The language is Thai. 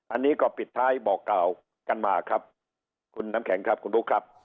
อันนี้ก็ปิดท้ายบอกกล่าวกันมาครับคุณน้ำแข็งครับคุณบุ๊คครับ